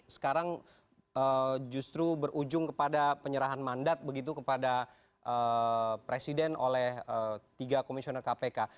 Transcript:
sekarang justru berujung kepada penyerahan mandat begitu kepada presiden oleh tiga komisioner kpk